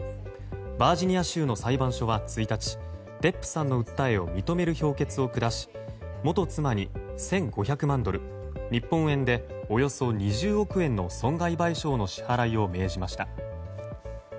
バージニア州の裁判所は１日デップさんの訴えを認める評決を下し元妻に１５００万ドル日本円でおよそ２０億円の損害賠償の支払いを命じました。